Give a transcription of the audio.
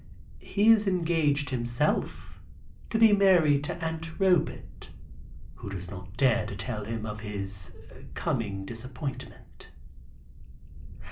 "He is engaged, himself, to be married to Aunt Robet, who does not dare to tell him of his coming disappointment."